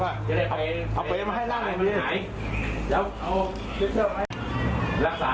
ไม่เอาจ้าหาแม่ใหญ่อ่ะหุ้ยไปไหน